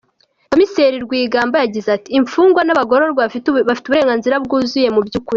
Komiseri Rwigamba yagize ati “Imfungwa n’abagororwa bafite uburenganzira bwuzuye mu by’ukuri.